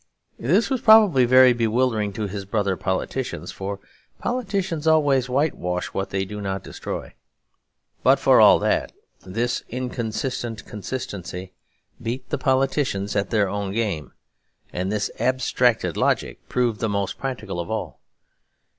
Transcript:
This was probably very bewildering to his brother politicians; for politicians always whitewash what they do not destroy. But for all that this inconsistent consistency beat the politicians at their own game, and this abstracted logic proved the most practical of all.